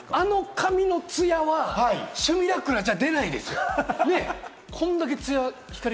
髪のツヤはシミュラクラじゃ出ないですよ。